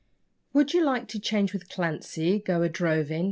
Would you like to change with Clancy go a droving?